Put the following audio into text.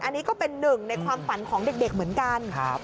อันนี้ก็เป็นหนึ่งในความฝันของเด็กเหมือนกัน